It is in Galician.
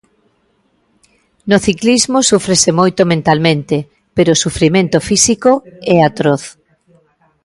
No ciclismo súfrese moito mentalmente, pero o sufrimento físico é atroz.